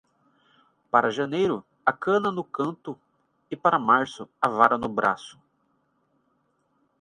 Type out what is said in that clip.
Para janeiro a cana no canto e para março a vara no braço.